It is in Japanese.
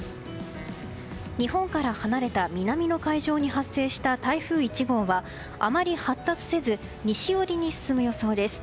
日本から離れた南の海上に発生した台風１号はあまり発達せず西寄りに進む予想です。